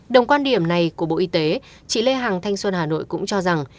đồng quan điểm này của bộ y tế chị lê hàng thanh xuân hà nội cũng cho rằng